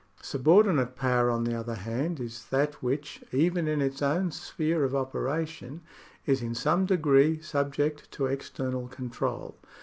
Subordinate power, on the other hand, is that which, even in its own sphere of operation, is in some degree subject to external control.